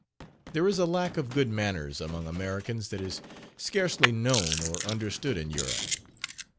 There is a lack of good manners among Americans that is scarcely known or understood in Europe.